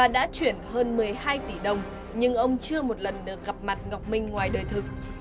đã chuyển hơn một mươi hai tỷ đồng nhưng ông chưa một lần được gặp mặt ngọc minh ngoài đời thực